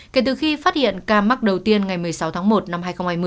kể từ khi phát hiện ca mắc đầu tiên ngày một mươi sáu tháng một năm hai nghìn hai mươi